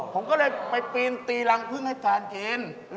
อ๋อผมก็เลยไปปีนตีรังเพิ่งให้แฟนกิน